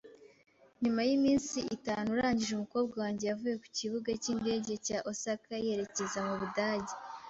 Nyuma yiminsi itanu arangije umukobwa wanjye yavuye ku kibuga cyindege cya Osaka yerekeza mu Budage .